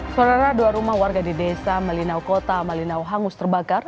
saudara dua rumah warga di desa melinau kota malinau hangus terbakar